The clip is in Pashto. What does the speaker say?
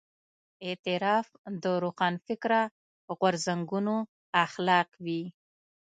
اعتراف د روښانفکره غورځنګونو اخلاق وي.